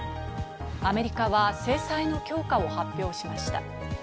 アメリカは制裁の強化を発表しました。